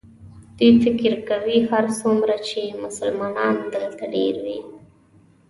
دوی فکر کوي هرڅومره چې مسلمانان دلته ډېر وي.